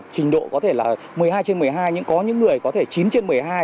trình độ có thể là một mươi hai trên một mươi hai nhưng có những người có thể chín trên một mươi hai